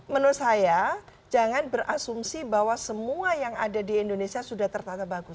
menurut saya jangan berasumsi bahwa semua yang ada di indonesia sudah tertata bagus